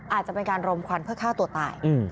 อาจจะเป็นการรมควันเพื่อฆ่าตัวตาย